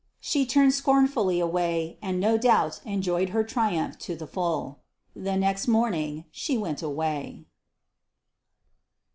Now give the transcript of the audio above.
She turned scornfully away, and no doubt enjoyed her triumph to the full. The next morning she went away.